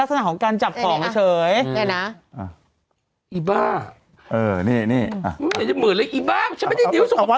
อันนี้พูดให้เป็นขำแล้วอะ